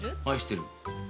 愛してる。